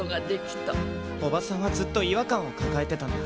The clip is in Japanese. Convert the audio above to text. おばさんはずっと違和感を抱えてたんだ。